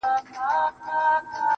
ستا د شونډو د خندا په خاليگاه كـي